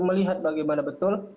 melihat bagaimana betul